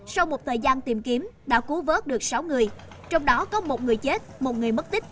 sau một thời gian tìm kiếm đã cú vớt được sáu người trong đó có một người chết một người mất tích